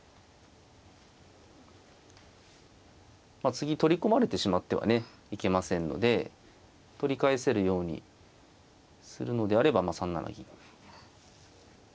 次取り込まれてしまってはねいけませんので取り返せるようにするのであれば３七銀。